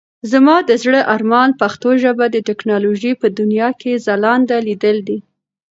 زما د زړه ارمان پښتو ژبه د ټکنالوژۍ په دنيا کې ځلانده ليدل دي.